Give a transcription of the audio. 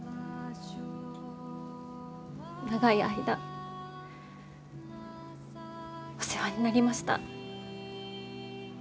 長い間お世話になりました。